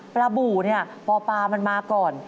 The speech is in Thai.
ปลาบูเนี่ยปลามันมาก่อน